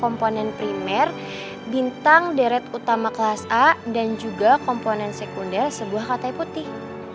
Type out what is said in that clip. komponen primer bintang deret utama kelas a dan juga komponen sekunder sebuah kata putih